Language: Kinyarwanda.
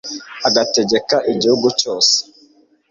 agategeka igihugu cyose